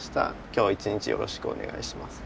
今日一日よろしくお願いします」。